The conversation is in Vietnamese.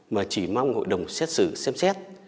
mà chỉ mong hội đồng xét xử xem xét